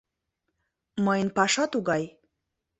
Мыйын паша тугай...